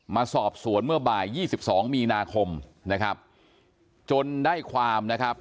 มาสอบสวนเมื่อบ่าย๒๒มีนาคมนะครับจนได้ความนะครับ